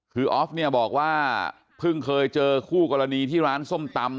คือออฟเนี่ยบอกว่าเพิ่งเคยเจอคู่กรณีที่ร้านส้มตำ